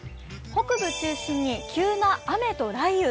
北部中心に急な雨と雷雨。